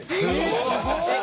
すごい！